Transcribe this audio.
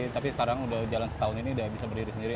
tapi sekarang udah jalan setahun ini udah bisa berdiri sendiri